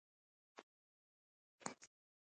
د هڅې سرچینه باور او خیال دی.